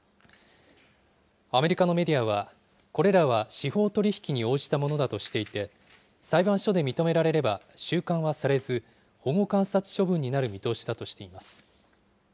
アメリカのメディアは、これらは司法取引に応じたものだとしていて、裁判所で認められれば収監はされず、保護観察処分になる見通しだということです。